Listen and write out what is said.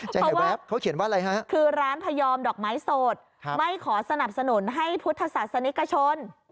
ใจแป๊บเขาเขียนว่าอะไรฮะคือร้านพยอมดอกไม้สดไม่ขอสนับสนุนให้พุทธศาสนิกชน